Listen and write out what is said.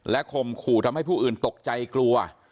ข่มขู่ทำให้ผู้อื่นตกใจกลัว